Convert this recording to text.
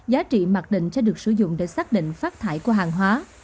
giá trị mặt định sẽ được sử dụng để xác định phát thải của hàng hóa